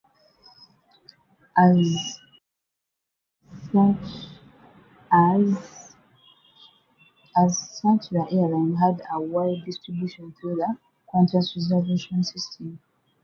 As such, the airline had worldwide distribution through the Qantas reservation system.